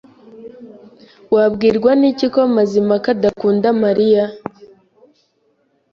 Wabwirwa n'iki ko Mazimpaka adakunda Mariya?